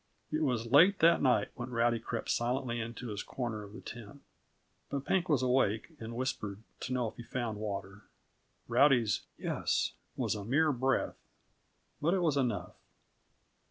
It was late that night when Rowdy crept silently into his corner of the tent; but Pink was awake, and whispered to know if he found water. Rowdy's "Yes" was a mere breath, but it was enough.